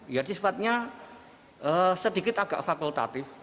jadi sepatnya sedikit agak fakultatif